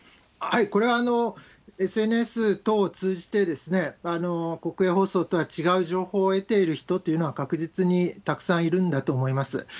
これはＳＮＳ等を通じて、国営放送とは違う情報を得ている人というのは、確実にたくさんいるんだと思います。